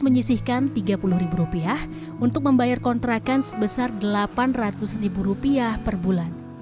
menyisihkan tiga puluh rupiah untuk membayar kontrakan sebesar delapan ratus rupiah perbulan